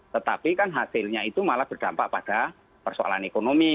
tetapi kan hasilnya itu malah berdampak pada persoalan ekonomi